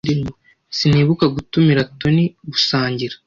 Sinibuka gutumira Toni gusangira.